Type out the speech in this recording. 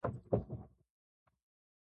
最近読んだ本で面白かったものは何ですか。